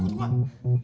indri andri indra